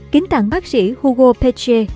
kín tặng bác sĩ hugo péche